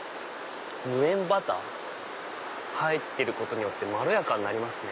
無塩バター入ってることによってまろやかになりますね。